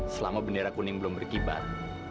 selama bendera kuning belum berkibar